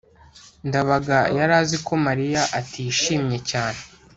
ndabaga yari azi ko mariya atishimye cyane